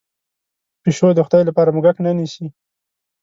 پشو د خدای لپاره موږک نه نیسي.